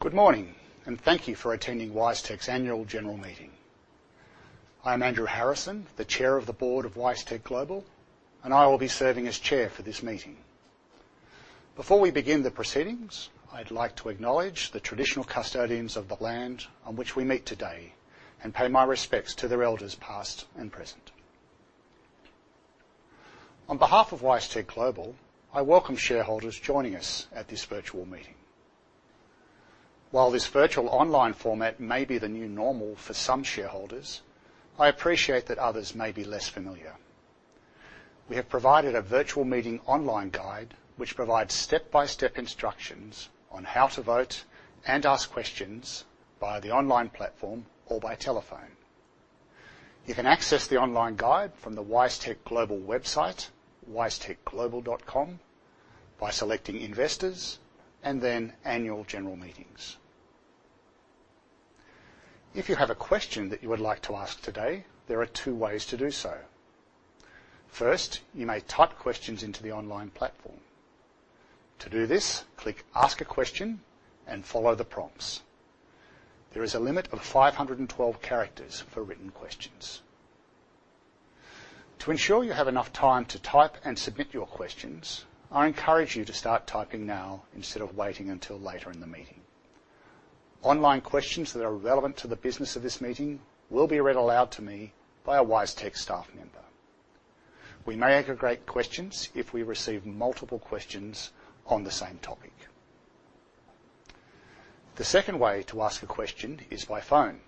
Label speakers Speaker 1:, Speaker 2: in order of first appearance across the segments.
Speaker 1: Good morning, and thank you for attending WiseTech's annual general meeting. I am Andrew Harrison, the Chair of the Board of WiseTech Global, and I will be serving as chair for this meeting. Before we begin the proceedings, I'd like to acknowledge the traditional custodians of the land on which we meet today and pay my respects to their elders past and present. On behalf of WiseTech Global, I welcome shareholders joining us at this virtual meeting. While this virtual online format may be the new normal for some shareholders, I appreciate that others may be less familiar. We have provided a virtual meeting online guide, which provides step-by-step instructions on how to vote and ask questions via the online platform or by telephone. You can access the online guide from the WiseTech Global website, wisetechglobal.com, by selecting Investors and then Annual General Meetings. If you have a question that you would like to ask today, there are two ways to do so. First, you may type questions into the online platform. To do this, click Ask a Question and follow the prompts. There is a limit of 512 characters for written questions. To ensure you have enough time to type and submit your questions, I encourage you to start typing now instead of waiting until later in the meeting. Online questions that are relevant to the business of this meeting will be read aloud to me by a WiseTech staff member. We may aggregate questions if we receive multiple questions on the same topic. The second way to ask a question is by phone.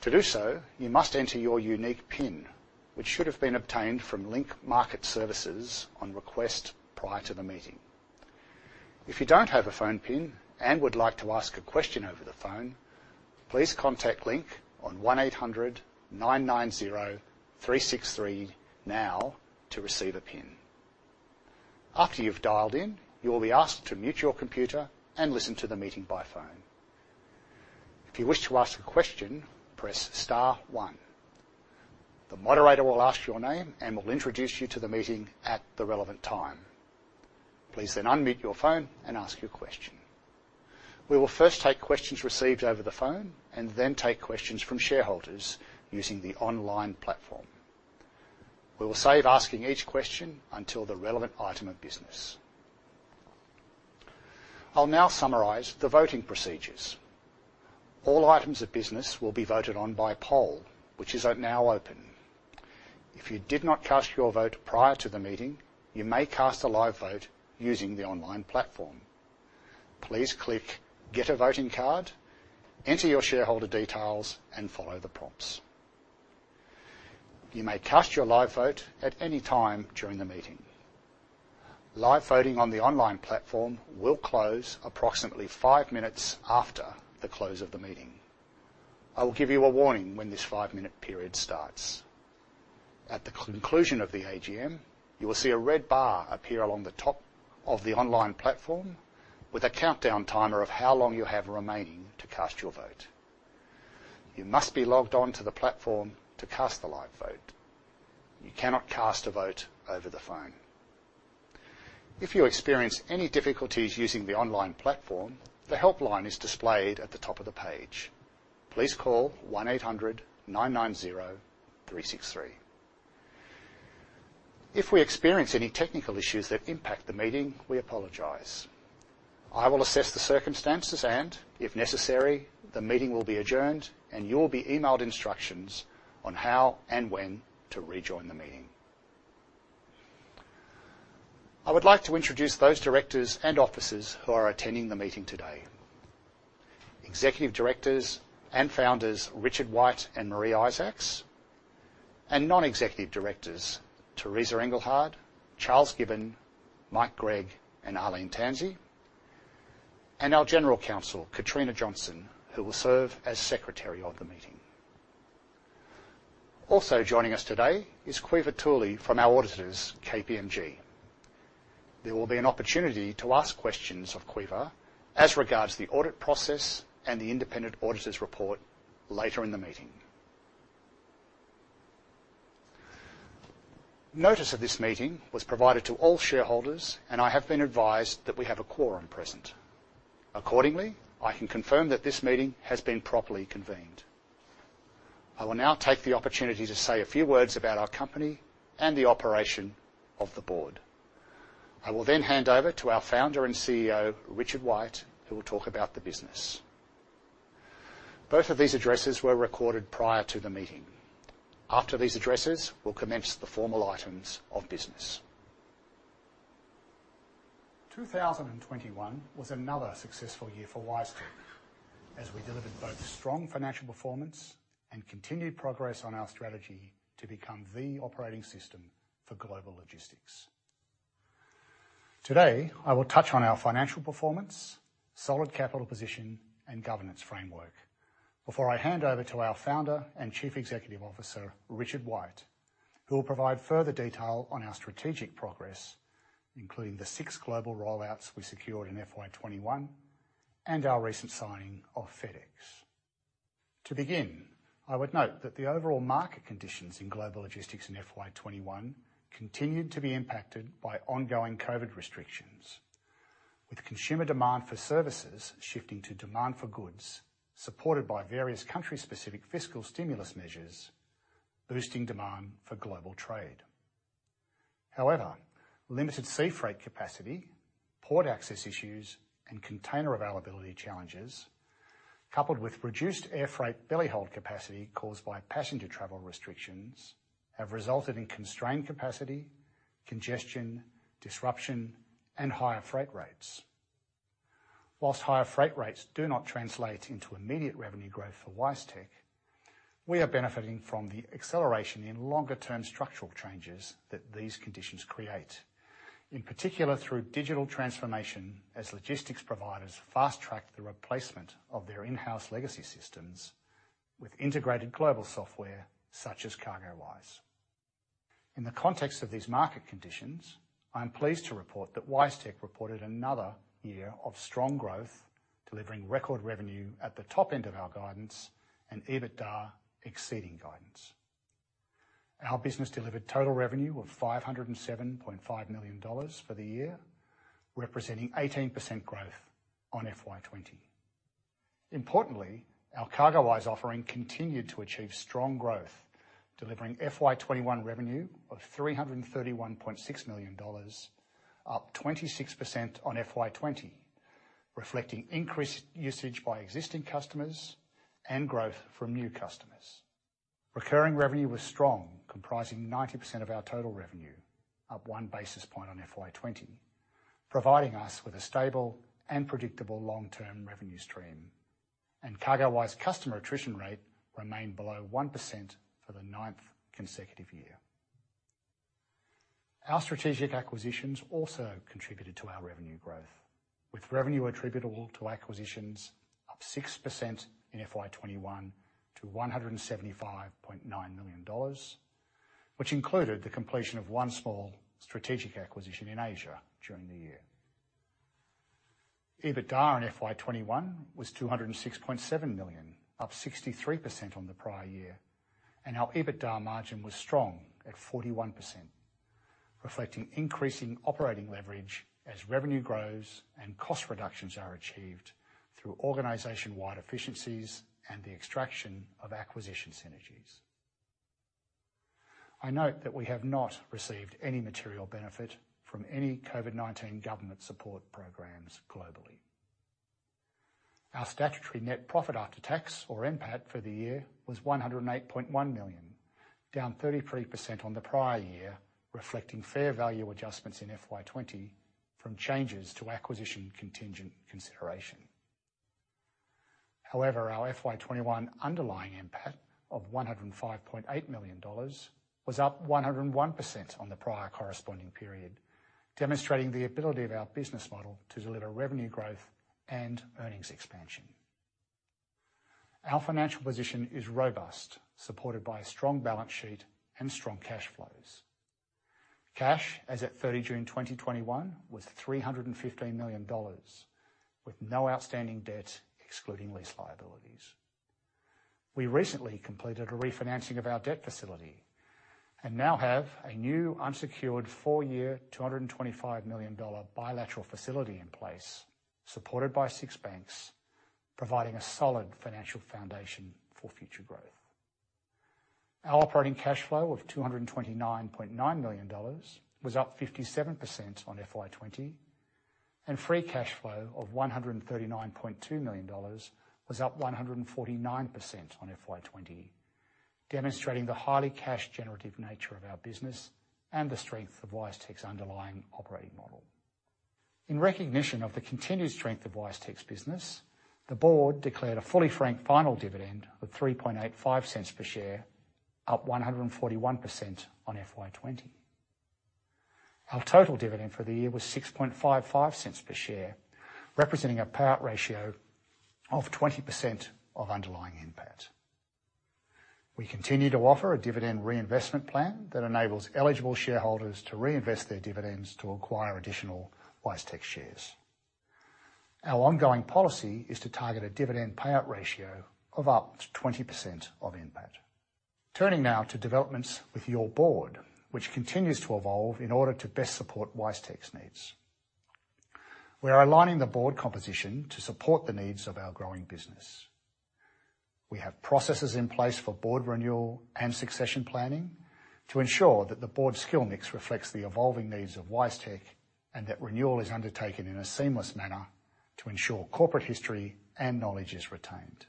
Speaker 1: To do so, you must enter your unique PIN, which should have been obtained from Link Market Services on request prior to the meeting. If you don't have a phone PIN and would like to ask a question over the phone, please contact Link on 1800 990 363 now to receive a PIN. After you've dialed in, you will be asked to mute your computer and listen to the meeting by phone. If you wish to ask a question, press star one. The moderator will ask your name and will introduce you to the meeting at the relevant time. Please then unmute your phone and ask your question. We will first take questions received over the phone and then take questions from shareholders using the online platform. We will save asking each question until the relevant item of business. I'll now summarize the voting procedures. All items of business will be voted on by poll, which is now open. If you did not cast your vote prior to the meeting, you may cast a live vote using the online platform. Please click Get a Voting Card, enter your shareholder details and follow the prompts. You may cast your live vote at any time during the meeting. Live voting on the online platform will close approximately 5 minutes after the close of the meeting. I will give you a warning when this 5-minute period starts. At the conclusion of the AGM, you will see a red bar appear along the top of the online platform with a countdown timer of how long you have remaining to cast your vote. You must be logged on to the platform to cast the live vote. You cannot cast a vote over the phone. If you experience any difficulties using the online platform, the helpline is displayed at the top of the page. Please call 1800 990 363. If we experience any technical issues that impact the meeting, we apologize. I will assess the circumstances and, if necessary, the meeting will be adjourned and you'll be emailed instructions on how and when to rejoin the meeting. I would like to introduce those directors and officers who are attending the meeting today. Executive directors and founders Richard White and Maree Isaacs, and non-executive directors Teresa Engelhard, Charles Gibbon, Michael Gregg and Arlene Tansey, and our general counsel, Katrina Johnson, who will serve as secretary of the meeting. Also joining us today is Cueva Tooley from our auditors, KPMG. There will be an opportunity to ask questions of Cueva as regards the audit process and the independent auditor's report later in the meeting. Notice of this meeting was provided to all shareholders, and I have been advised that we have a quorum present. Accordingly, I can confirm that this meeting has been properly convened. I will now take the opportunity to say a few words about our company and the operation of the board. I will then hand over to our founder and CEO, Richard White, who will talk about the business. Both of these addresses were recorded prior to the meeting. After these addresses, we'll commence the formal items of business. 2021 was another successful year for WiseTech as we delivered both strong financial performance and continued progress on our strategy to become the operating system for global logistics. Today, I will touch on our financial performance, solid capital position and governance framework before I hand over to our Founder and Chief Executive Officer, Richard White, who will provide further detail on our strategic progress, including the six global rollouts we secured in FY 2021 and our recent signing of FedEx. To begin, I would note that the overall market conditions in global logistics in FY 2021 continued to be impacted by ongoing COVID restrictions, with consumer demand for services shifting to demand for goods, supported by various country-specific fiscal stimulus measures, boosting demand for global trade. However, limited sea freight capacity, port access issues, and container availability challenges, coupled with reduced air freight belly hold capacity caused by passenger travel restrictions, have resulted in constrained capacity, congestion, disruption, and higher freight rates. While higher freight rates do not translate into immediate revenue growth for WiseTech, we are benefiting from the acceleration in longer term structural changes that these conditions create, in particular through digital transformation as logistics providers fast-track the replacement of their in-house legacy systems with integrated global software such as CargoWise. In the context of these market conditions, I am pleased to report that WiseTech reported another year of strong growth, delivering record revenue at the top end of our guidance and EBITDA exceeding guidance. Our business delivered total revenue of 507.5 million dollars for the year, representing 18% growth on FY 2020. Importantly, our CargoWise offering continued to achieve strong growth, delivering FY 2021 revenue of AUD 331.6 million, up 26% on FY 2020, reflecting increased usage by existing customers and growth from new customers. Recurring revenue was strong, comprising 90% of our total revenue, up 1 basis point on FY 2020, providing us with a stable and predictable long-term revenue stream. CargoWise customer attrition rate remained below 1% for the ninth consecutive year. Our strategic acquisitions also contributed to our revenue growth, with revenue attributable to acquisitions up 6% in FY 2021 to 175.9 million dollars, which included the completion of one small strategic acquisition in Asia during the year. EBITDA in FY 2021 was 206.7 million, up 63% on the prior year, and our EBITDA margin was strong at 41%, reflecting increasing operating leverage as revenue grows and cost reductions are achieved through organization-wide efficiencies and the extraction of acquisition synergies. I note that we have not received any material benefit from any COVID-19 government support programs globally. Our statutory net profit after tax or NPAT for the year was 108.1 million, down 33% on the prior year, reflecting fair value adjustments in FY 2020 from changes to acquisition contingent consideration. However, our FY 2021 underlying NPAT of 105.8 million dollars was up 101% on the prior corresponding period, demonstrating the ability of our business model to deliver revenue growth and earnings expansion. Our financial position is robust, supported by a strong balance sheet and strong cash flows. Cash as at 30 June 2021 was 315 million dollars, with no outstanding debt excluding lease liabilities. We recently completed a refinancing of our debt facility and now have a new unsecured 4-year, 225 million dollar bilateral facility in place, supported by six banks, providing a solid financial foundation for future growth. Our operating cash flow of AUD 229.9 million was up 57% on FY 2020, and free cash flow of AUD 139.2 million was up 149% on FY 2020, demonstrating the highly cash generative nature of our business and the strength of WiseTech's underlying operating model. In recognition of the continued strength of WiseTech's business, the board declared a fully franked final dividend of 0.0385 per share, up 141% on FY 2020. Our total dividend for the year was 0.0655 per share, representing a payout ratio of 20% of underlying NPAT. We continue to offer a dividend reinvestment plan that enables eligible shareholders to reinvest their dividends to acquire additional WiseTech shares. Our ongoing policy is to target a dividend payout ratio of up to 20% of NPAT. Turning now to developments with your board, which continues to evolve in order to best support WiseTech's needs. We are aligning the board composition to support the needs of our growing business. We have processes in place for board renewal and succession planning to ensure that the board's skill mix reflects the evolving needs of WiseTech, and that renewal is undertaken in a seamless manner to ensure corporate history and knowledge is retained.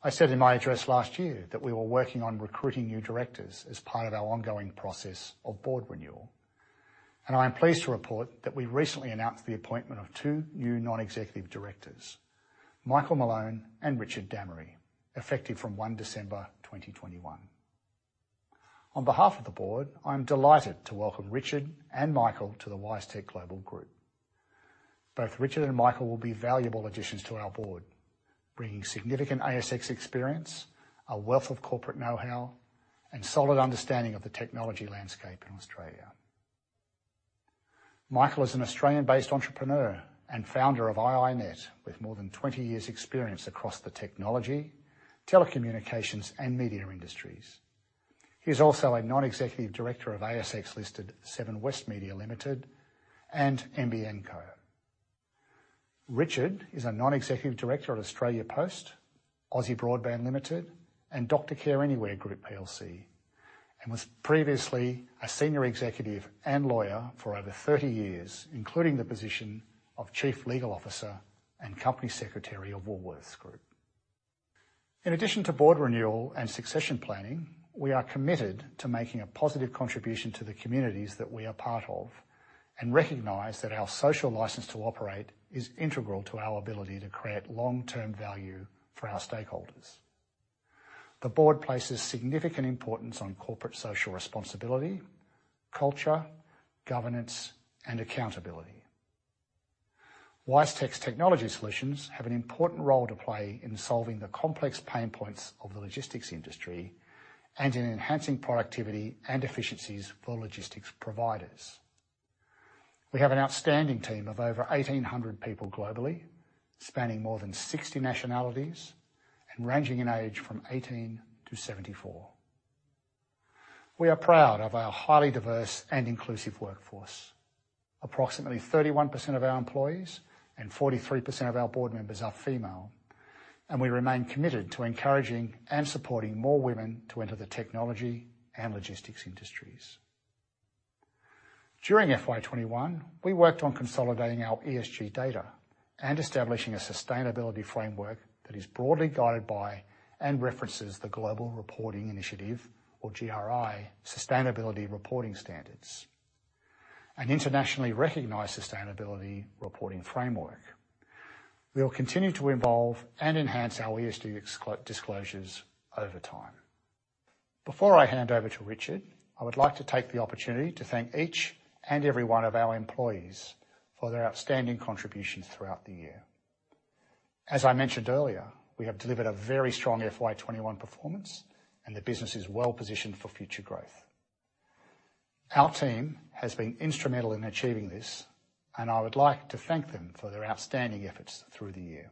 Speaker 1: I said in my address last year that we were working on recruiting new directors as part of our ongoing process of board renewal, and I am pleased to report that we recently announced the appointment of two new non-executive directors, Michael Malone and Richard Dammery, effective from 1 December 2021. On behalf of the board, I am delighted to welcome Richard and Michael to the WiseTech Global Group. Both Richard and Michael will be valuable additions to our board, bringing significant ASX experience, a wealth of corporate know-how, and solid understanding of the technology landscape in Australia. Michael is an Australian-based entrepreneur and founder of iiNet, with more than 20 years' experience across the technology, telecommunications, and media industries. He is also a non-executive director of ASX-listed Seven West Media Limited and NBN Co. Richard is a non-executive director at Australia Post, Aussie Broadband Limited, and Doctor Care Anywhere Group PLC, and was previously a senior executive and lawyer for over 30 years, including the position of chief legal officer and company secretary of Woolworths Group. In addition to board renewal and succession planning, we are committed to making a positive contribution to the communities that we are part of and recognize that our social license to operate is integral to our ability to create long-term value for our stakeholders. The board places significant importance on corporate social responsibility, culture, governance, and accountability. WiseTech's technology solutions have an important role to play in solving the complex pain points of the logistics industry and in enhancing productivity and efficiencies for logistics providers. We have an outstanding team of over 1,800 people globally, spanning more than 60 nationalities and ranging in age from 18 to 74. We are proud of our highly diverse and inclusive workforce. Approximately 31% of our employees and 43% of our board members are female, and we remain committed to encouraging and supporting more women to enter the technology and logistics industries. During FY 2021, we worked on consolidating our ESG data and establishing a sustainability framework that is broadly guided by and references the Global Reporting Initiative, or GRI, sustainability reporting standards, an internationally recognized sustainability reporting framework. We will continue to involve and enhance our ESG disclosures over time. Before I hand over to Richard, I would like to take the opportunity to thank each and every one of our employees for their outstanding contributions throughout the year. As I mentioned earlier, we have delivered a very strong FY 2021 performance, and the business is well-positioned for future growth. Our team has been instrumental in achieving this, and I would like to thank them for their outstanding efforts through the year.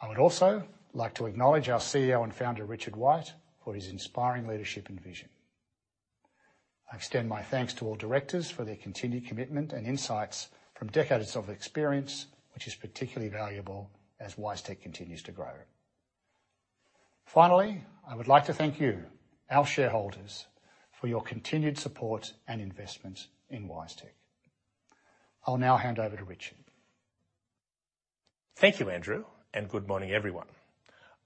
Speaker 1: I would also like to acknowledge our CEO and founder, Richard White, for his inspiring leadership and vision. I extend my thanks to all directors for their continued commitment and insights from decades of experience, which is particularly valuable as WiseTech continues to grow. Finally, I would like to thank you, our shareholders, for your continued support and investment in WiseTech. I'll now hand over to Richard.
Speaker 2: Thank you, Andrew, and good morning, everyone.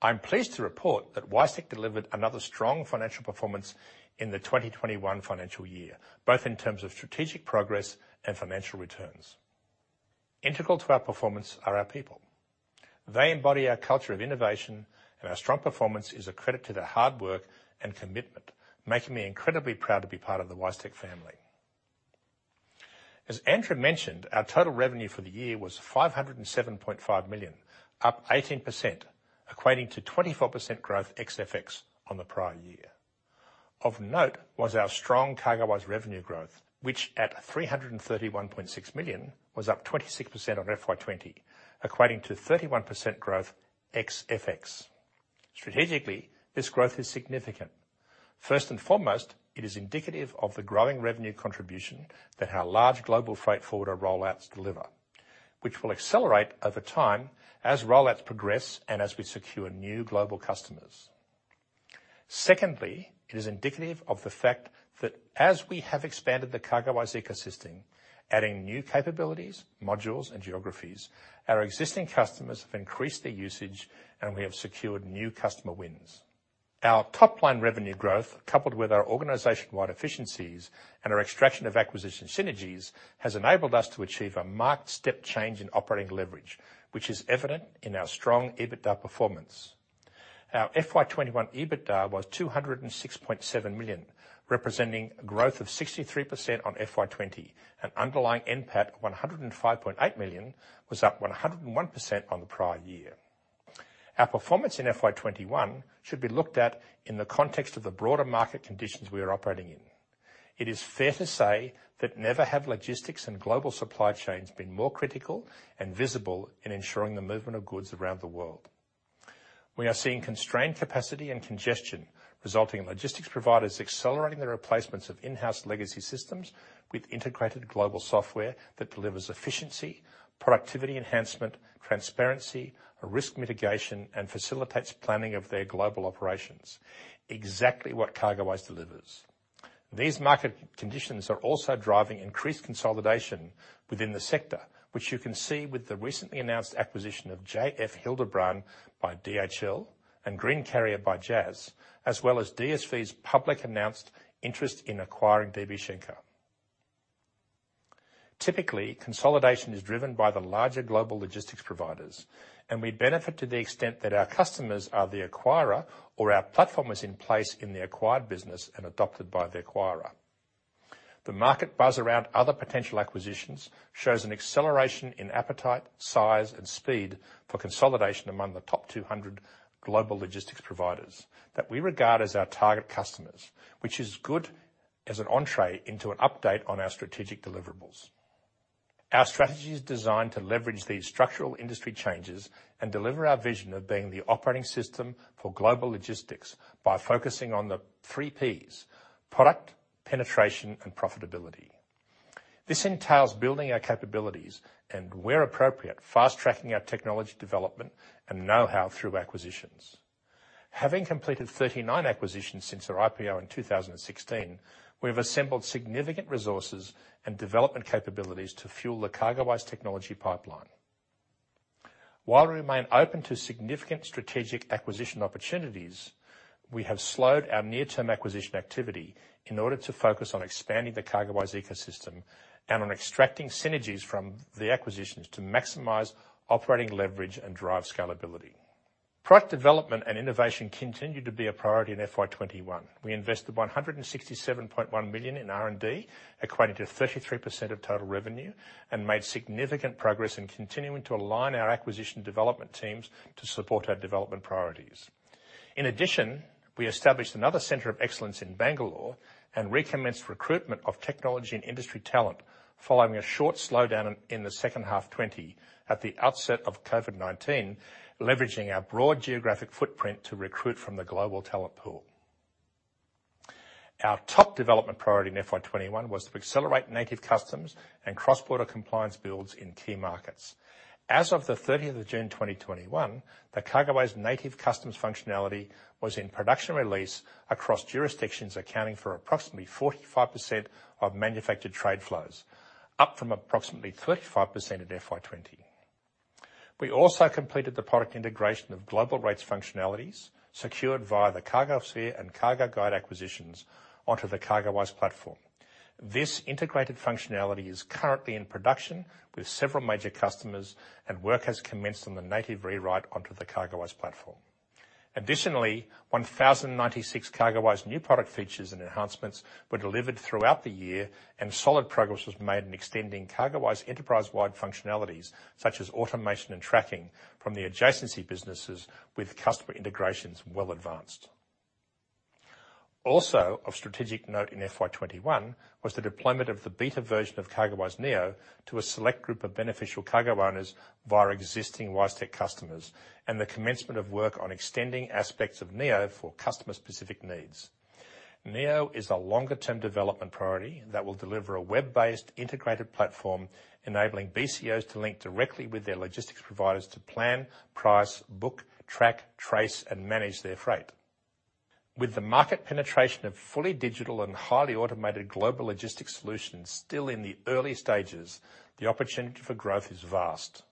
Speaker 2: I'm pleased to report that WiseTech delivered another strong financial performance in the 2021 financial year, both in terms of strategic progress and financial returns. Integral to our performance are our people. They embody our culture of innovation, and our strong performance is a credit to their hard work and commitment, making me incredibly proud to be part of the WiseTech family. As Andrew mentioned, our total revenue for the year was 507.5 million, up 18%, equating to 24% growth ex FX on the prior year. Of note was our strong CargoWise revenue growth, which at 331.6 million was up 26% on FY 2020, equating to 31% growth ex FX. Strategically, this growth is significant. First and foremost, it is indicative of the growing revenue contribution that our large global freight forwarder rollouts deliver, which will accelerate over time as rollouts progress and as we secure new global customers. Secondly, it is indicative of the fact that as we have expanded the CargoWise ecosystem, adding new capabilities, modules, and geographies, our existing customers have increased their usage, and we have secured new customer wins. Our top-line revenue growth, coupled with our organization-wide efficiencies and our extraction of acquisition synergies, has enabled us to achieve a marked step change in operating leverage, which is evident in our strong EBITDA performance. Our FY 2021 EBITDA was 206.7 million, representing growth of 63% on FY 2020, and underlying NPAT 105.8 million was up 101% on the prior year. Our performance in FY 2021 should be looked at in the context of the broader market conditions we are operating in. It is fair to say that never have logistics and global supply chains been more critical and visible in ensuring the movement of goods around the world. We are seeing constrained capacity and congestion, resulting in logistics providers accelerating the replacements of in-house legacy systems with integrated global software that delivers efficiency, productivity enhancement, transparency, risk mitigation, and facilitates planning of their global operations. Exactly what CargoWise delivers. These market conditions are also driving increased consolidation within the sector, which you can see with the recently announced acquisition of J.F. Hillebrand by DHL and Greencarrier by JAS, as well as DSV's publicly announced interest in acquiring DB Schenker. Typically, consolidation is driven by the larger global logistics providers, and we benefit to the extent that our customers are the acquirer or our platform is in place in the acquired business and adopted by the acquirer. The market buzz around other potential acquisitions shows an acceleration in appetite, size, and speed for consolidation among the top 200 global logistics providers that we regard as our target customers, which is good as an entree into an update on our strategic deliverables. Our strategy is designed to leverage these structural industry changes and deliver our vision of being the operating system for global logistics by focusing on the three Ps, product, penetration, and profitability. This entails building our capabilities and, where appropriate, fast-tracking our technology development and know-how through acquisitions. Having completed 39 acquisitions since our IPO in 2016, we've assembled significant resources and development capabilities to fuel the CargoWise technology pipeline. While we remain open to significant strategic acquisition opportunities, we have slowed our near-term acquisition activity in order to focus on expanding the CargoWise ecosystem and on extracting synergies from the acquisitions to maximize operating leverage and drive scalability. Product development and innovation continue to be a priority in FY 2021. We invested 167.1 million in R&D, equating to 33% of total revenue, and made significant progress in continuing to align our acquisition development teams to support our development priorities. In addition, we established another center of excellence in Bangalore and recommenced recruitment of technology and industry talent following a short slowdown in the second half 2020 at the outset of COVID-19, leveraging our broad geographic footprint to recruit from the global talent pool. Our top development priority in FY 2021 was to accelerate native customs and cross-border compliance builds in key markets. As of 30th June 2021, the CargoWise native customs functionality was in production release across jurisdictions accounting for approximately 45% of manufactured trade flows, up from approximately 35% in FY 2020. We also completed the product integration of global rates functionalities secured via the CargoSphere and Cargoguide acquisitions onto the CargoWise platform. This integrated functionality is currently in production with several major customers and work has commenced on the native rewrite onto the CargoWise platform. Additionally, 1,096 CargoWise new product features and enhancements were delivered throughout the year, and solid progress was made in extending CargoWise enterprise-wide functionalities such as automation and tracking from the adjacency businesses with customer integrations well advanced. Also of strategic note in FY 2021 was the deployment of the beta version of CargoWise Neo to a select group of beneficial cargo owners via existing WiseTech customers and the commencement of work on extending aspects of Neo for customer-specific needs. Neo is a longer-term development priority that will deliver a web-based integrated platform enabling BCOs to link directly with their logistics providers to plan, price, book, track, trace, and manage their freight. With the market penetration of fully digital and highly automated global logistics solutions still in the early stages, the opportunity for growth is vast.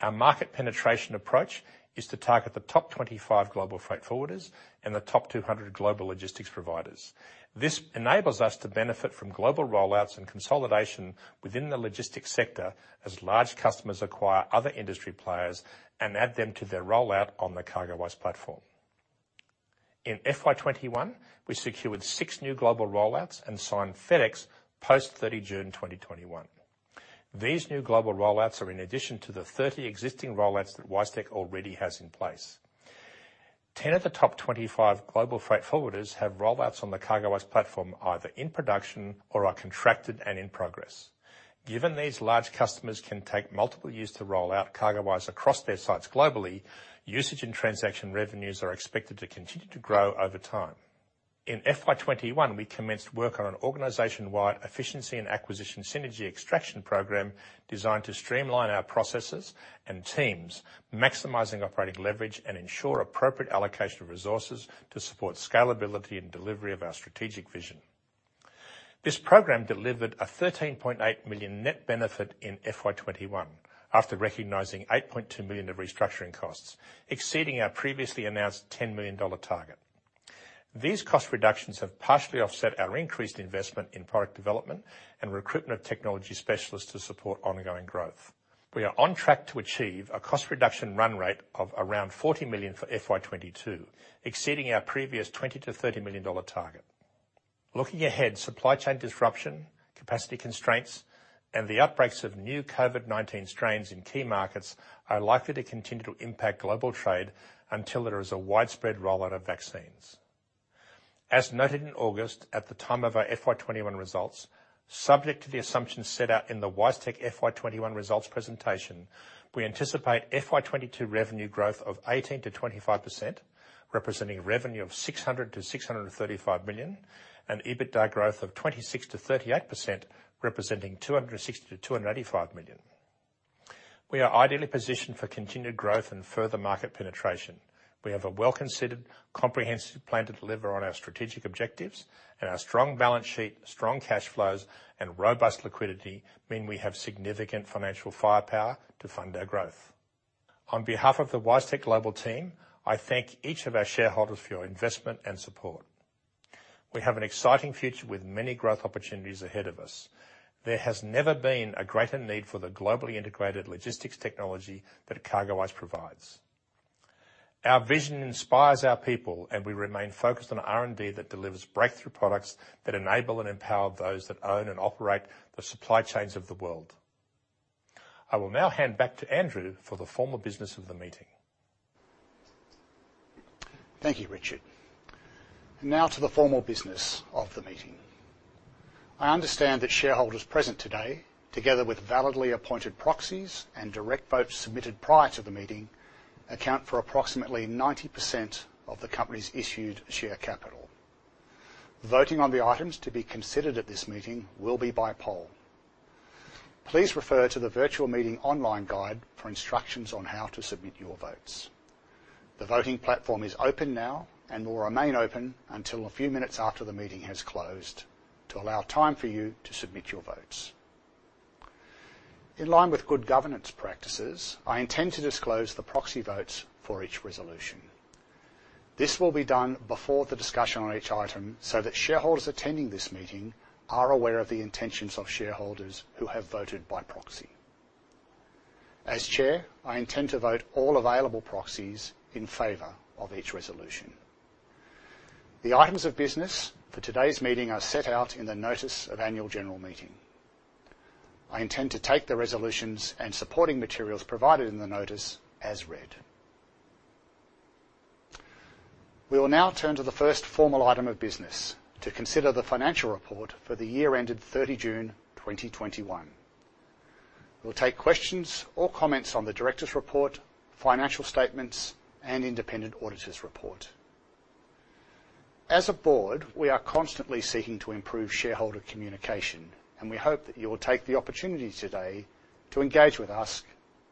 Speaker 2: Our market penetration approach is to target the top 25 global freight forwarders and the top 200 global logistics providers. This enables us to benefit from global rollouts and consolidation within the logistics sector as large customers acquire other industry players and add them to their rollout on the CargoWise platform. In FY 2021, we secured six new global rollouts and signed FedEx post 30 June 2021. These new global rollouts are in addition to the 30 existing rollouts that WiseTech already has in place. 10 of the top 25 global freight forwarders have rollouts on the CargoWise platform, either in production or are contracted and in progress. Given these large customers can take multiple years to roll out CargoWise across their sites globally, usage and transaction revenues are expected to continue to grow over time. In FY 2021, we commenced work on an organization-wide efficiency and acquisition synergy extraction program designed to streamline our processes and teams, maximizing operating leverage and ensure appropriate allocation of resources to support scalability and delivery of our strategic vision. This program delivered a 13.8 million net benefit in FY 2021 after recognizing 8.2 million of restructuring costs, exceeding our previously announced 10 million dollar target. These cost reductions have partially offset our increased investment in product development and recruitment of technology specialists to support ongoing growth. We are on track to achieve a cost reduction run rate of around AUD 40 million for FY 2022, exceeding our previous AUD 20 million-AUD 30 million target. Looking ahead, supply chain disruption, capacity constraints, and the outbreaks of new COVID-19 strains in key markets are likely to continue to impact global trade until there is a widespread rollout of vaccines. As noted in August at the time of our FY 2021 results, subject to the assumptions set out in the WiseTech FY 2021 results presentation, we anticipate FY 2022 revenue growth of 18%-25%, representing revenue of 600 million-635 million, and EBITDA growth of 26%-38%, representing 260 million-285 million. We are ideally positioned for continued growth and further market penetration. We have a well-considered, comprehensive plan to deliver on our strategic objectives and our strong balance sheet, strong cash flows, and robust liquidity mean we have significant financial firepower to fund our growth. On behalf of the WiseTech Global team, I thank each of our shareholders for your investment and support. We have an exciting future with many growth opportunities ahead of us. There has never been a greater need for the globally integrated logistics technology that CargoWise provides. Our vision inspires our people, and we remain focused on R&D that delivers breakthrough products that enable and empower those that own and operate the supply chains of the world. I will now hand back to Andrew for the formal business of the meeting.
Speaker 1: Thank you, Richard. Now to the formal business of the meeting. I understand that shareholders present today, together with validly appointed proxies and direct votes submitted prior to the meeting, account for approximately 90% of the company's issued share capital. Voting on the items to be considered at this meeting will be by poll. Please refer to the virtual meeting online guide for instructions on how to submit your votes. The voting platform is open now and will remain open until a few minutes after the meeting has closed to allow time for you to submit your votes. In line with good governance practices, I intend to disclose the proxy votes for each resolution. This will be done before the discussion on each item so that shareholders attending this meeting are aware of the intentions of shareholders who have voted by proxy. As Chair, I intend to vote all available proxies in favor of each resolution. The items of business for today's meeting are set out in the notice of annual general meeting. I intend to take the resolutions and supporting materials provided in the notice as read. We will now turn to the first formal item of business to consider the financial report for the year ended 30 June 2021. We'll take questions or comments on the directors' report, financial statements, and independent auditor's report. As a board, we are constantly seeking to improve shareholder communication, and we hope that you will take the opportunity today to engage with us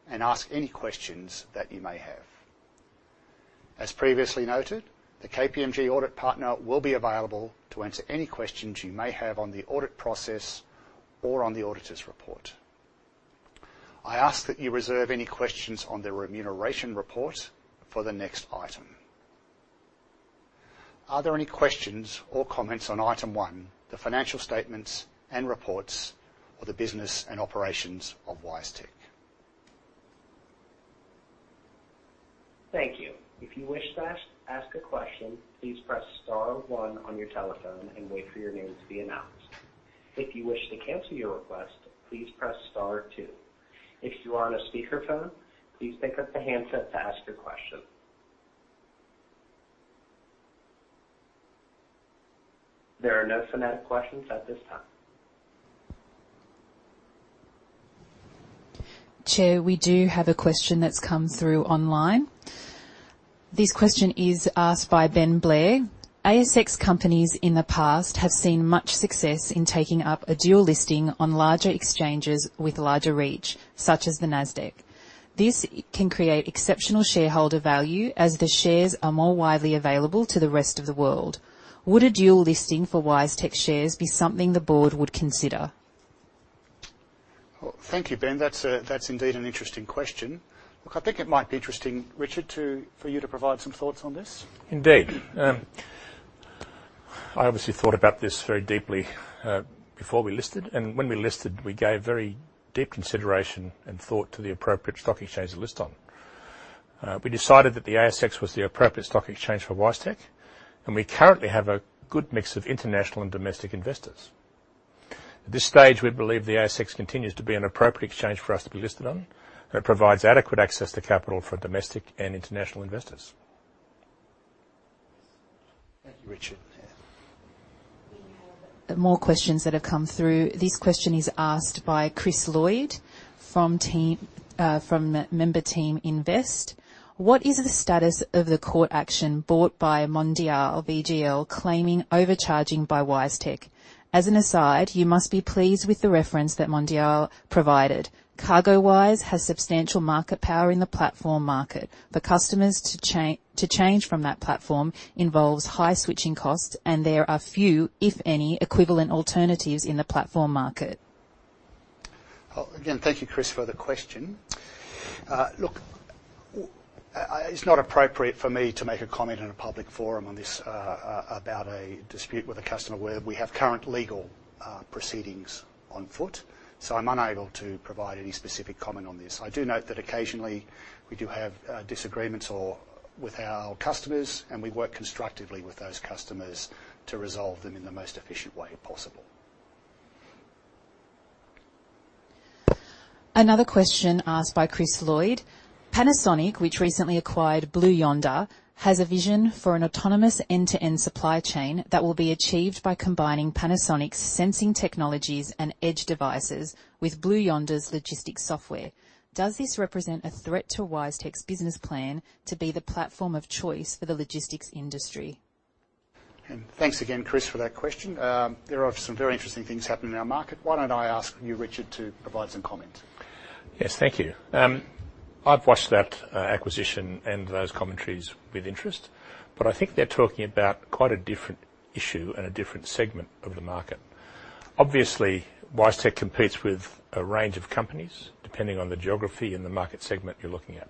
Speaker 1: and ask any questions that you may have. As previously noted, the KPMG audit partner will be available to answer any questions you may have on the audit process or on the auditor's report. I ask that you reserve any questions on the remuneration report for the next item. Are there any questions or comments on item one, the financial statements and reports or the business and operations of WiseTech?
Speaker 3: Thank you. If you wish to ask a question, please press star one on your telephone and wait for your name to be announced. If you wish to cancel your request, please press star two. If you are on a speaker phone, please pick up the handset to ask your question. There are no phonetic questions at this time.
Speaker 4: Chair, we do have a question that's come through online. This question is asked by Ben Blair. ASX companies in the past have seen much success in taking up a dual listing on larger exchanges with larger reach, such as the Nasdaq. This can create exceptional shareholder value as the shares are more widely available to the rest of the world. Would a dual listing for WiseTech shares be something the board would consider?
Speaker 1: Well, thank you, Ben. That's indeed an interesting question. Look, I think it might be interesting, Richard, for you to provide some thoughts on this.
Speaker 2: Indeed. I obviously thought about this very deeply before we listed. When we listed, we gave very deep consideration and thought to the appropriate stock exchange to list on. We decided that the ASX was the appropriate stock exchange for WiseTech, and we currently have a good mix of international and domestic investors. At this stage, we believe the ASX continues to be an appropriate exchange for us to be listed on that provides adequate access to capital for domestic and international investors.
Speaker 1: Thank you, Richard.
Speaker 4: We have more questions that have come through. This question is asked by Chris Lloyd from Teaminvest, the member Intelligent Investor. What is the status of the court action brought by Mondiale VGL claiming overcharging by WiseTech? As an aside, you must be pleased with the reference that Mondial provided. CargoWise has substantial market power in the platform market. The cost to change from that platform involves high switching costs, and there are few, if any, equivalent alternatives in the platform market.
Speaker 1: Oh, again, thank you, Chris, for the question. Look, it's not appropriate for me to make a comment in a public forum on this, about a dispute with a customer where we have current legal proceedings on foot. I'm unable to provide any specific comment on this. I do note that occasionally we do have disagreements with our customers, and we work constructively with those customers to resolve them in the most efficient way possible.
Speaker 4: Another question asked by Chris Lloyd. Panasonic, which recently acquired Blue Yonder, has a vision for an autonomous end-to-end supply chain that will be achieved by combining Panasonic's sensing technologies and edge devices with Blue Yonder's logistics software. Does this represent a threat to WiseTech's business plan to be the platform of choice for the logistics industry?
Speaker 1: Thanks again, Chris, for that question. There are some very interesting things happening in our market. Why don't I ask you, Richard, to provide some comment?
Speaker 2: Yes, thank you. I've watched that acquisition and those commentaries with interest, but I think they're talking about quite a different issue and a different segment of the market. Obviously, WiseTech competes with a range of companies, depending on the geography and the market segment you're looking at.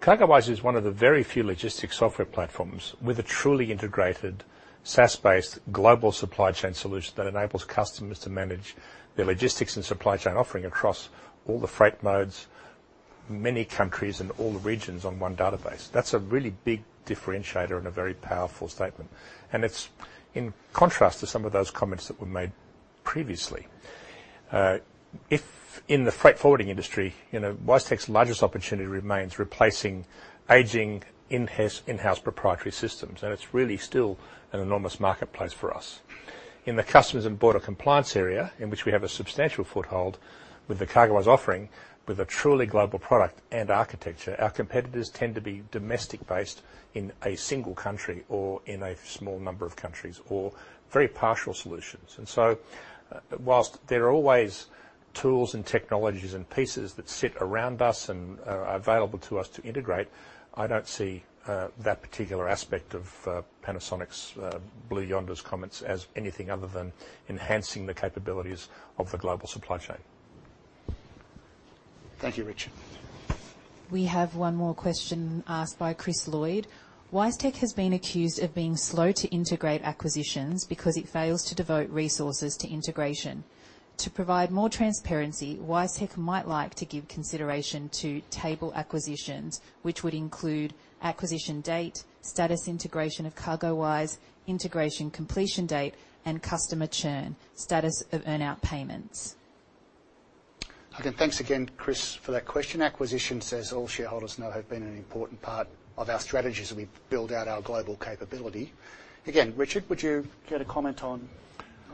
Speaker 2: CargoWise is one of the very few logistics software platforms with a truly integrated SaaS-based global supply chain solution that enables customers to manage their logistics and supply chain offering across all the freight modes, many countries and all the regions on one database. That's a really big differentiator and a very powerful statement. It's in contrast to some of those comments that were made previously. If in the freight forwarding industry, you know, WiseTech's largest opportunity remains replacing aging in-house proprietary systems, and it's really still an enormous marketplace for us. In the customs and border compliance area, in which we have a substantial foothold with the CargoWise offering with a truly global product and architecture, our competitors tend to be domestic-based in a single country or in a small number of countries, or very partial solutions. While there are always tools and technologies and pieces that sit around us and are available to us to integrate, I don't see that particular aspect of Panasonic's Blue Yonder's comments as anything other than enhancing the capabilities of the global supply chain.
Speaker 1: Thank you, Richard.
Speaker 4: We have one more question asked by Chris Lloyd. WiseTech has been accused of being slow to integrate acquisitions because it fails to devote resources to integration. To provide more transparency, WiseTech might like to give consideration to table acquisitions, which would include acquisition date, status integration of CargoWise, integration completion date, and customer churn, status of earn-out payments.
Speaker 1: Okay. Thanks again, Chris, for that question. Acquisitions, as all shareholders know, have been an important part of our strategy as we build out our global capability. Again, Richard, would you care to comment on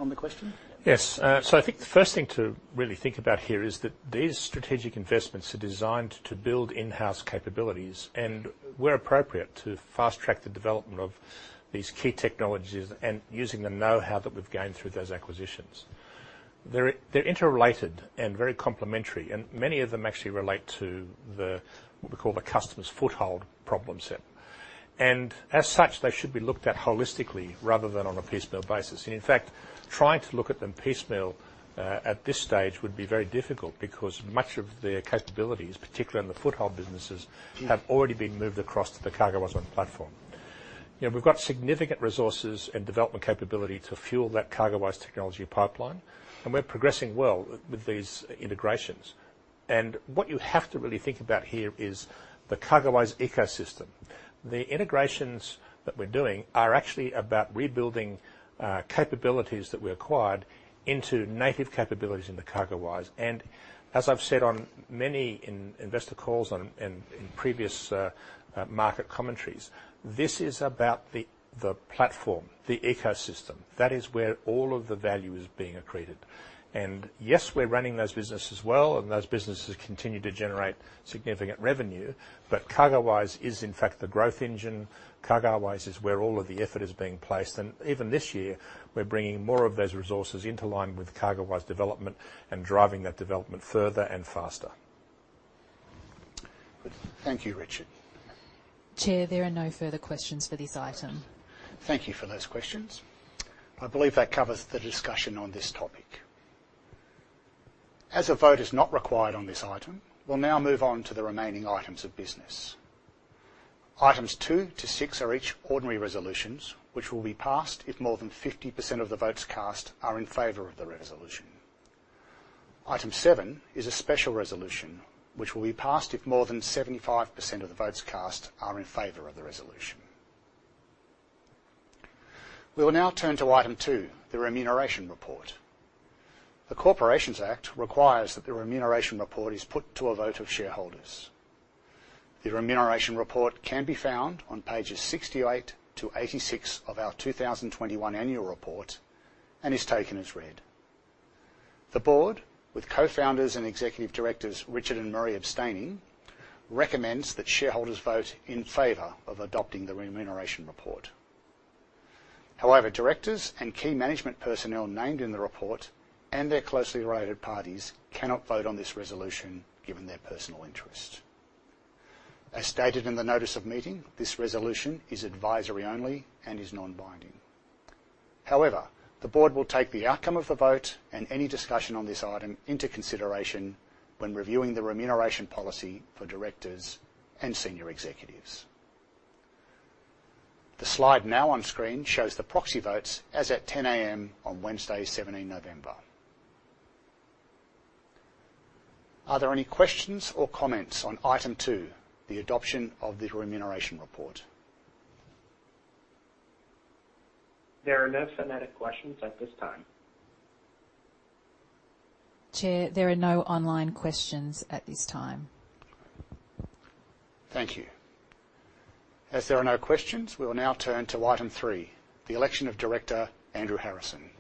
Speaker 1: the question?
Speaker 2: Yes. I think the first thing to really think about here is that these strategic investments are designed to build in-house capabilities and, where appropriate, to fast-track the development of these key technologies and using the know-how that we've gained through those acquisitions. They're interrelated and very complementary, and many of them actually relate to the, what we call the customer's foothold problem set. As such, they should be looked at holistically rather than on a piecemeal basis. In fact, trying to look at them piecemeal at this stage would be very difficult because much of their capabilities, particularly in the foothold businesses, have already been moved across to the CargoWise One platform. You know, we've got significant resources and development capability to fuel that CargoWise technology pipeline, and we're progressing well with these integrations. What you have to really think about here is the CargoWise ecosystem. The integrations that we're doing are actually about rebuilding capabilities that we acquired into native capabilities into CargoWise. As I've said on many investor calls and in previous market commentaries, this is about the platform, the ecosystem. That is where all of the value is being accreted. Yes, we're running those businesses well, and those businesses continue to generate significant revenue. CargoWise is in fact the growth engine. CargoWise is where all of the effort is being placed. Even this year, we're bringing more of those resources into line with CargoWise development and driving that development further and faster.
Speaker 1: Good. Thank you, Richard.
Speaker 4: Chair, there are no further questions for this item.
Speaker 1: Thank you for those questions. I believe that covers the discussion on this topic. As a vote is not required on this item, we'll now move on to the remaining items of business. Items two to six are each ordinary resolutions, which will be passed if more than 50% of the votes cast are in favor of the resolution. Item seven is a special resolution, which will be passed if more than 75% of the votes cast are in favor of the resolution. We will now turn to item two, the remuneration report. The Corporations Act requires that the remuneration report is put to a vote of shareholders. The remuneration report can be found on pages 68-86 of our 2021 annual report and is taken as read. The board, with cofounders and executive directors Richard and Maree abstaining, recommends that shareholders vote in favor of adopting the remuneration report. However, directors and key management personnel named in the report and their closely related parties cannot vote on this resolution given their personal interest. As stated in the notice of meeting, this resolution is advisory only and is non-binding. However, the board will take the outcome of the vote and any discussion on this item into consideration when reviewing the remuneration policy for directors and senior executives. The slide now on screen shows the proxy votes as of 10 A.M. on Wednesday, 17th November. Are there any questions or comments on item two, the adoption of the remuneration report?
Speaker 3: There are no phonetic questions at this time.
Speaker 4: Chair, there are no online questions at this time.
Speaker 1: Thank you. As there are no questions, we will now turn to item three, the election of Director Andrew Harrison.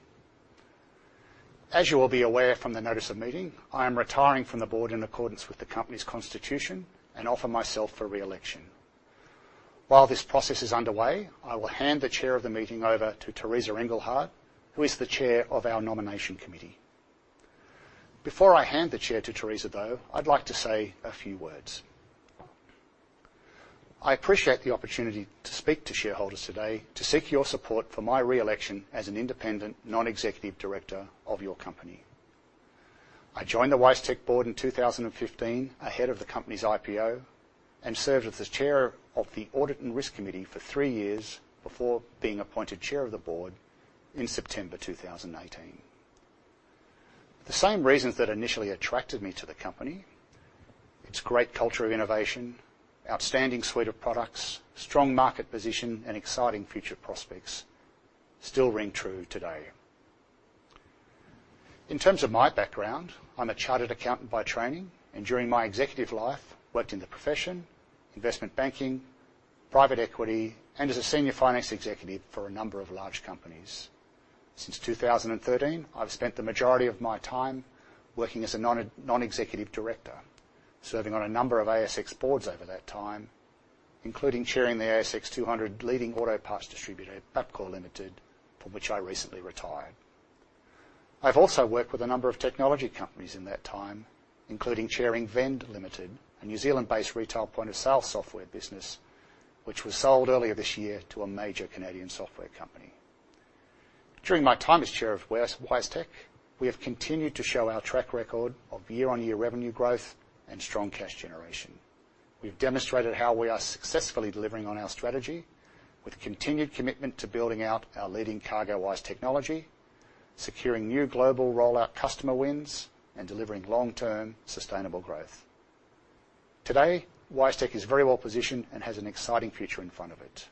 Speaker 1: As you will be aware from the notice of meeting, I am retiring from the board in accordance with the company's constitution and offer myself for re-election. While this process is underway, I will hand the chair of the meeting over to Teresa Engelhard, who is the chair of our nomination committee. Before I hand the chair to Teresa, though, I'd like to say a few words. I appreciate the opportunity to speak to shareholders today to seek your support for my re-election as an independent non-executive director of your company. I joined the WiseTech board in 2015 ahead of the company's IPO and served as the chair of the Audit and Risk Committee for 3 years before being appointed chair of the board in September 2018. The same reasons that initially attracted me to the company, its great culture of innovation, outstanding suite of products, strong market position, and exciting future prospects still ring true today. In terms of my background, I'm a chartered accountant by training, and during my executive life, worked in the profession, investment banking, private equity, and as a senior finance executive for a number of large companies. Since 2013, I've spent the majority of my time working as a non-executive director, serving on a number of ASX boards over that time, including chairing the ASX 200 leading auto parts distributor, Bapcor Limited, from which I recently retired. I've also worked with a number of technology companies in that time, including chairing Vend Limited, a New Zealand-based retail point-of-sale software business, which was sold earlier this year to a major Canadian software company. During my time as Chair of WiseTech, we have continued to show our track record of year-on-year revenue growth and strong cash generation. We've demonstrated how we are successfully delivering on our strategy with continued commitment to building out our leading CargoWise technology, securing new global rollout customer wins, and delivering long-term sustainable growth. Today, WiseTech is very well-positioned and has an exciting future in front of it.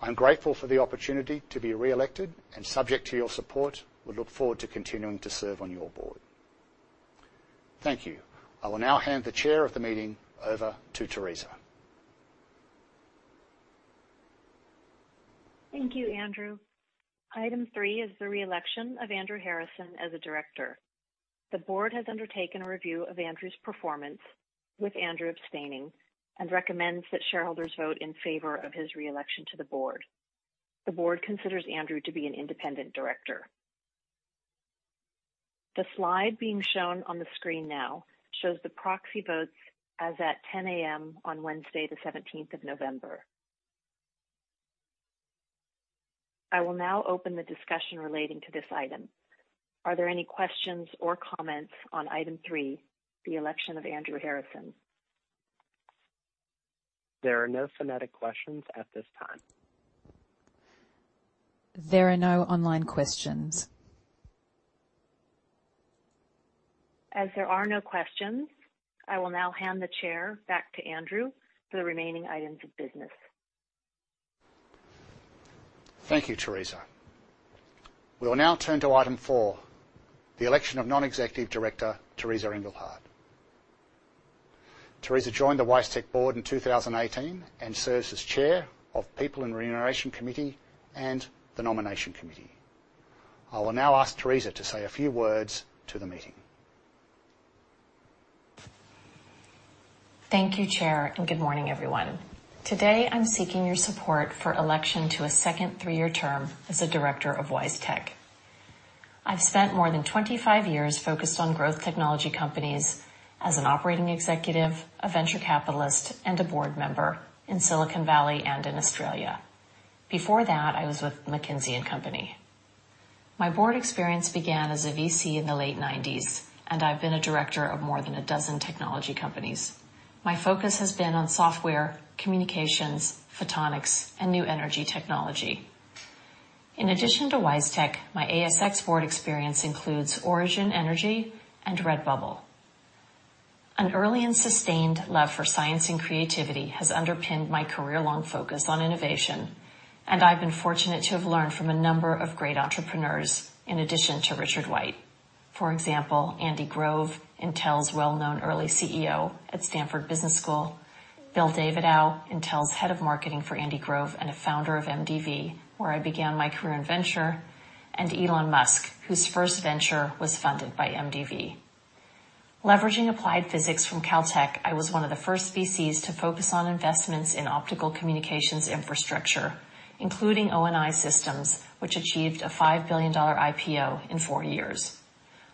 Speaker 1: I'm grateful for the opportunity to be reelected and subject to your support, we look forward to continuing to serve on your board. Thank you. I will now hand the chair of the meeting over to Teresa.
Speaker 5: Thank you, Andrew. Item three is the reelection of Andrew Harrison as a director. The board has undertaken a review of Andrew's performance, with Andrew abstaining, and recommends that shareholders vote in favor of his reelection to the board. The board considers Andrew to be an independent director. The slide being shown on the screen now shows the proxy votes as at 10:00 A.M. on Wednesday, the 17th of November. I will now open the discussion relating to this item. Are there any questions or comments on item three, the election of Andrew Harrison?
Speaker 3: There are no phonetic questions at this time.
Speaker 4: There are no online questions.
Speaker 5: As there are no questions, I will now hand the chair back to Andrew Harrison for the remaining items of business.
Speaker 1: Thank you, Teresa. We will now turn to item four, the election of non-executive director, Teresa Engelhard. Teresa joined the WiseTech board in 2018 and serves as Chair of People and Remuneration Committee and the Nomination Committee. I will now ask Teresa to say a few words to the meeting.
Speaker 5: Thank you, Chair, and good morning, everyone. Today, I'm seeking your support for election to a second 3-year term as a director of WiseTech. I've spent more than 25 years focused on growth technology companies as an operating executive, a venture capitalist, and a board member in Silicon Valley and in Australia. Before that, I was with McKinsey & Company. My board experience began as a VC in the late 1990s, and I've been a director of more than a dozen technology companies. My focus has been on software, communications, photonics, and new energy technology. In addition to WiseTech, my ASX board experience includes Origin Energy and Redbubble. An early and sustained love for science and creativity has underpinned my career-long focus on innovation, and I've been fortunate to have learned from a number of great entrepreneurs in addition to Richard White. For example, Andy Grove, Intel's well-known early CEO at Stanford Business School, Bill Davidow, Intel's head of marketing for Andy Grove and a founder of MDV, where I began my career in venture, and Elon Musk, whose first venture was funded by MDV. Leveraging applied physics from Caltech, I was one of the first VCs to focus on investments in optical communications infrastructure, including ONI Systems, which achieved a $5 billion IPO in 4 years.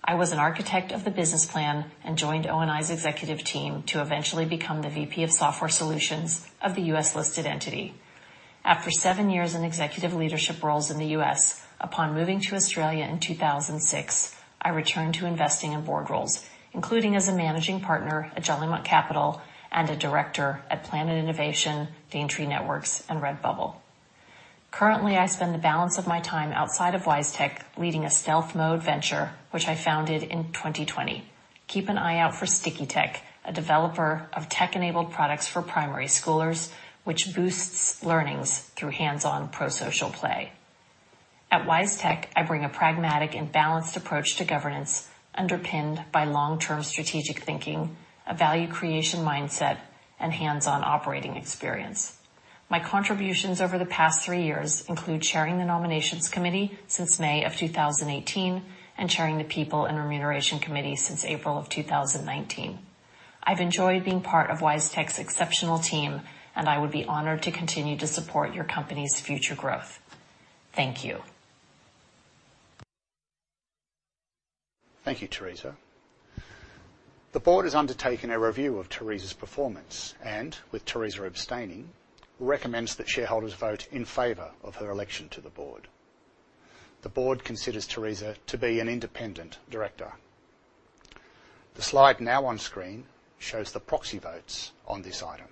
Speaker 5: I was an architect of the business plan and joined ONI's executive team to eventually become the VP of Software Solutions of the U.S.-listed entity. After 7 years in executive leadership roles in the U.S., upon moving to Australia in 2006, I returned to investing in board roles, including as a managing partner at Jolimont Capital and a director at Planet Innovation, Daintree Networks, and Redbubble. Currently, I spend the balance of my time outside of WiseTech leading a stealth mode venture, which I founded in 2020. Keep an eye out for StickyTech, a developer of tech-enabled products for primary schoolers, which boosts learnings through hands-on pro-social play. At WiseTech, I bring a pragmatic and balanced approach to governance underpinned by long-term strategic thinking, a value creation mindset, and hands-on operating experience. My contributions over the past 3 years include chairing the Nominations Committee since May of 2018 and chairing the People and Remuneration Committee since April of 2019. I've enjoyed being part of WiseTech's exceptional team, and I would be honored to continue to support your company's future growth. Thank you.
Speaker 1: Thank you, Teresa. The board has undertaken a review of Teresa's performance and, with Teresa abstaining, recommends that shareholders vote in favor of her election to the board. The board considers Teresa to be an independent director. The slide now on screen shows the proxy votes on this item.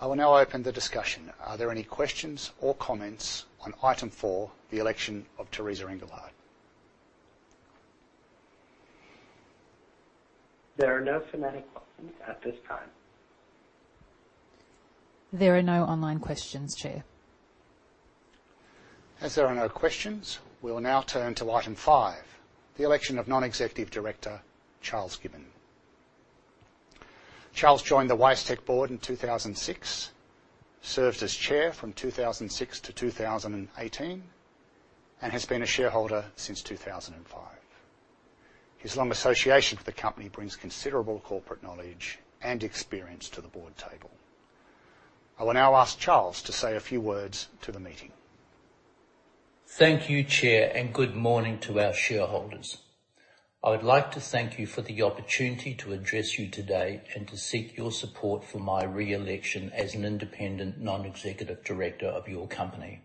Speaker 1: I will now open the discussion. Are there any questions or comments on item four, the election of Teresa Engelhard?
Speaker 3: There are no phonetic questions at this time.
Speaker 4: There are no online questions, Chair.
Speaker 1: As there are no questions, we will now turn to item five, the election of Non-Executive Director Charles Gibbon. Charles joined the WiseTech Board in 2006, served as Chair from 2006 to 2018, and has been a shareholder since 2005. His long association with the company brings considerable corporate knowledge and experience to the board table. I will now ask Charles to say a few words to the meeting.
Speaker 6: Thank you, Chair, and good morning to our shareholders. I would like to thank you for the opportunity to address you today and to seek your support for my re-election as an independent non-executive director of your company.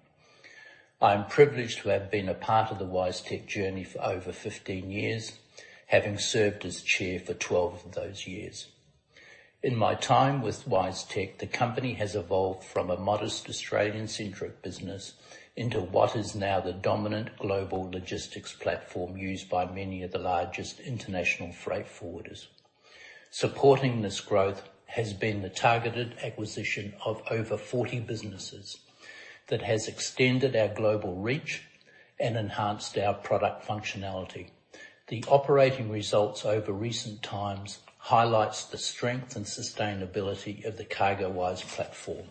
Speaker 6: I am privileged to have been a part of the WiseTech journey for over 15 years, having served as chair for 12 of those years. In my time with WiseTech, the company has evolved from a modest Australian-centric business into what is now the dominant global logistics platform used by many of the largest international freight forwarders. Supporting this growth has been the targeted acquisition of over 40 businesses that has extended our global reach and enhanced our product functionality. The operating results over recent times highlight the strength and sustainability of the CargoWise platform.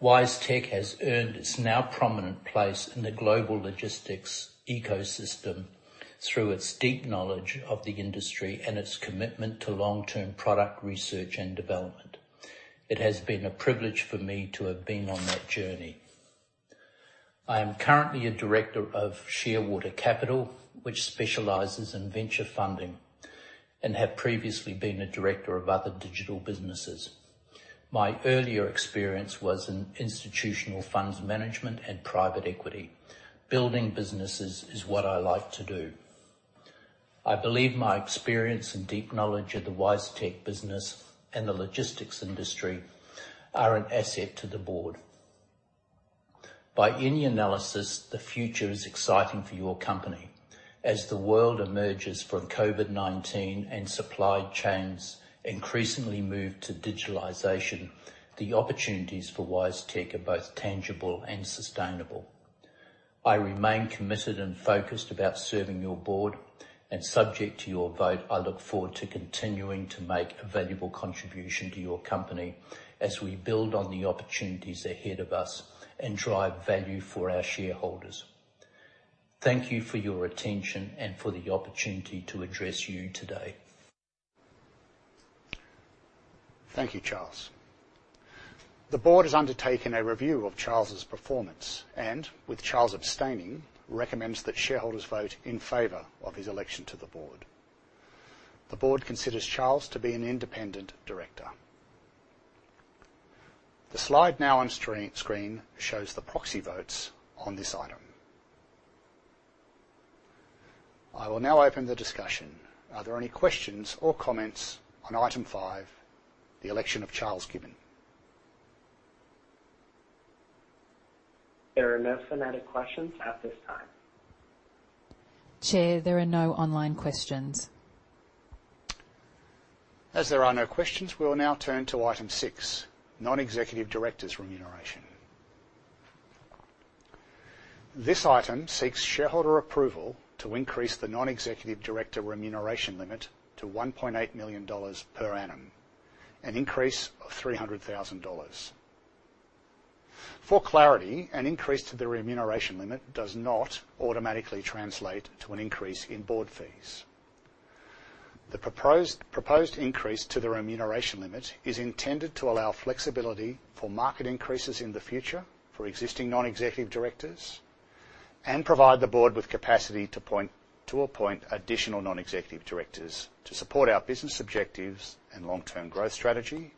Speaker 6: WiseTech has earned its now prominent place in the global logistics ecosystem through its deep knowledge of the industry and its commitment to long-term product research and development. It has been a privilege for me to have been on that journey. I am currently a director of Shearwater Capital, which specializes in venture funding and have previously been a director of other digital businesses. My earlier experience was in institutional funds management and private equity. Building businesses is what I like to do. I believe my experience and deep knowledge of the WiseTech business and the logistics industry are an asset to the board. By any analysis, the future is exciting for your company. As the world emerges from COVID-19 and supply chains increasingly move to digitalization, the opportunities for WiseTech are both tangible and sustainable. I remain committed and focused about serving your board and subject to your vote, I look forward to continuing to make a valuable contribution to your company as we build on the opportunities ahead of us and drive value for our shareholders. Thank you for your attention and for the opportunity to address you today.
Speaker 1: Thank you, Charles. The board has undertaken a review of Charles' performance and with Charles abstaining, recommends that shareholders vote in favor of his election to the board. The board considers Charles to be an independent director. The slide now on screen shows the proxy votes on this item. I will now open the discussion. Are there any questions or comments on item five, the election of Charles Gibbon?
Speaker 3: There are no phonetic questions at this time.
Speaker 4: Chair, there are no online questions.
Speaker 1: As there are no questions, we will now turn to item six, non-executive directors remuneration. This item seeks shareholder approval to increase the non-executive director remuneration limit to 1.8 million dollars per annum, an increase of 300,000 dollars. For clarity, an increase to the remuneration limit does not automatically translate to an increase in board fees. The proposed increase to the remuneration limit is intended to allow flexibility for market increases in the future for existing non-executive directors and provide the board with capacity to appoint additional non-executive directors to support our business objectives and long-term growth strategy,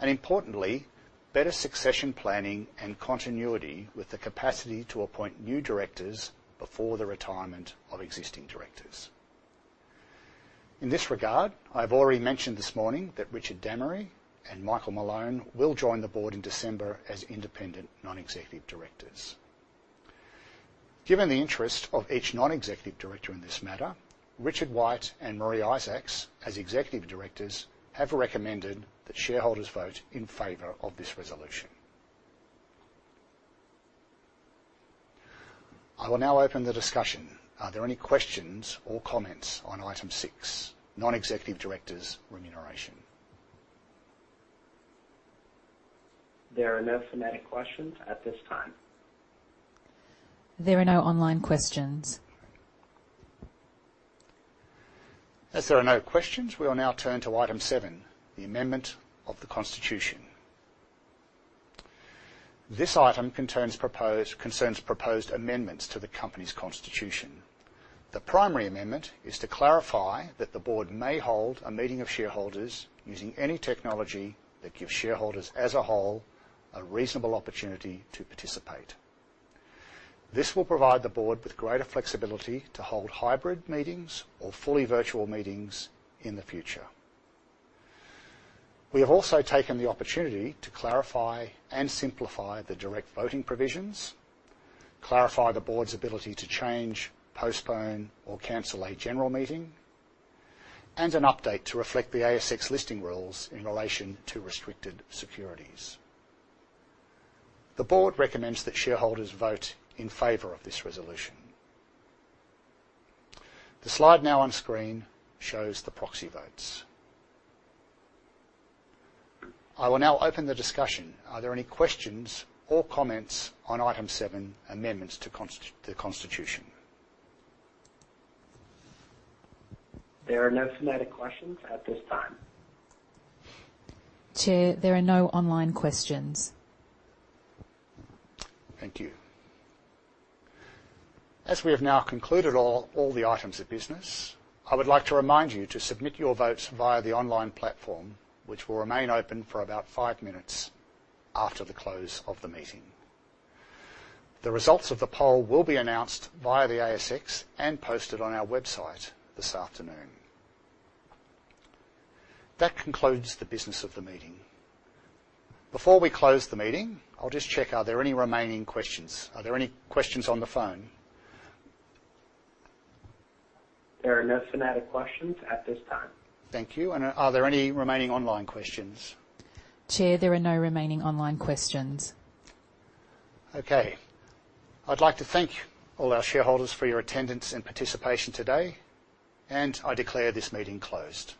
Speaker 1: and importantly, better succession planning and continuity with the capacity to appoint new directors before the retirement of existing directors. In this regard, I've already mentioned this morning that Richard Dammery and Michael Malone will join the board in December as independent non-executive directors. Given the interest of each non-executive director in this matter, Richard White and Maree Isaacs, as executive directors, have recommended that shareholders vote in favor of this resolution. I will now open the discussion. Are there any questions or comments on item six, non-executive directors remuneration?
Speaker 3: There are no phonetic questions at this time.
Speaker 4: There are no online questions.
Speaker 1: As there are no questions, we will now turn to item seven, the amendment of the constitution. This item concerns proposed amendments to the company's constitution. The primary amendment is to clarify that the board may hold a meeting of shareholders using any technology that gives shareholders as a whole a reasonable opportunity to participate. This will provide the board with greater flexibility to hold hybrid meetings or fully virtual meetings in the future. We have also taken the opportunity to clarify and simplify the direct voting provisions, clarify the board's ability to change, postpone, or cancel a general meeting, and an update to reflect the ASX Listing Rules in relation to restricted securities. The board recommends that shareholders vote in favor of this resolution. The slide now on screen shows the proxy votes. I will now open the discussion. Are there any questions or comments on item seven, amendments to the constitution?
Speaker 3: There are no phonetic questions at this time.
Speaker 4: Chair, there are no online questions.
Speaker 1: Thank you. As we have now concluded all the items of business, I would like to remind you to submit your votes via the online platform, which will remain open for about 5 minutes after the close of the meeting. The results of the poll will be announced via the ASX and posted on our website this afternoon. That concludes the business of the meeting. Before we close the meeting, I'll just check, are there any remaining questions? Are there any questions on the phone?
Speaker 3: There are no phonetic questions at this time.
Speaker 1: Thank you. Are there any remaining online questions?
Speaker 4: Chair, there are no remaining online questions.
Speaker 1: Okay. I'd like to thank all our shareholders for your attendance and participation today, and I declare this meeting closed.